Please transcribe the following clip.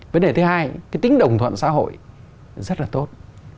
vấn đề thứ hai cái tính đồng thuận xã hội rất là tốt